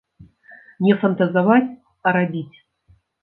Не фантазаваць, а рабіць.